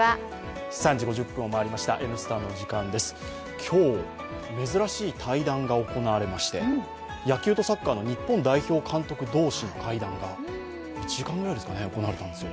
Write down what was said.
今日、珍しい対談が行われまして野球とサッカーの日本代表の監督同士の会談が１時間ぐらい行われたんですよ。